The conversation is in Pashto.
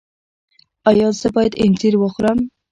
ایا زه باید انځر وخورم؟